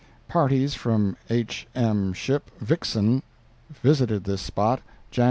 "Parties from H. M. ship Vixen visited this spot Jan.